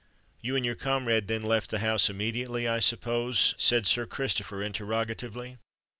"You and your comrade then left the house immediately, I suppose?" said Sir Christopher, interrogatively.